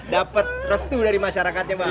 dapat restu dari masyarakatnya mbak